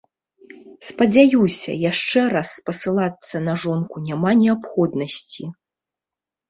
Спадзяюся, яшчэ раз спасылацца на жонку няма неабходнасці.